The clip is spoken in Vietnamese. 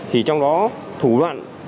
thì trong đó thủ đoạn